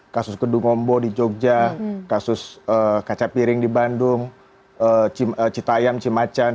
kasus gedung ombo di jogja kasus kaca piring di bandung cita ayam cimacan